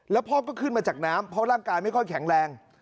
แล้วพ่อก็ขึ้นมาจากน้ำเพราะร่างกายไม่ค่อยแข็งแรง